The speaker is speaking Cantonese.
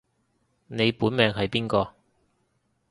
你本命係邊個